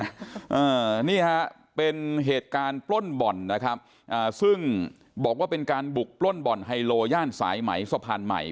อ่านี่ฮะเป็นเหตุการณ์ปล้นบ่อนนะครับอ่าซึ่งบอกว่าเป็นการบุกปล้นบ่อนไฮโลย่านสายไหมสะพานใหม่